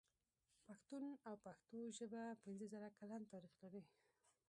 پښتون او پښتو ژبه پنځه زره کلن تاريخ لري.